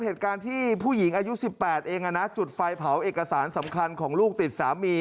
เหตุการณ์ที่ผู้หญิงอายุ๑๘เองจุดไฟเผาเอกสารสำคัญของลูกติดสามี